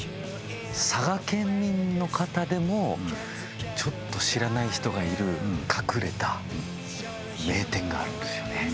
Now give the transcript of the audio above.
佐賀県民の方でもちょっと知らない人がいる隠れた名店があるんですよね。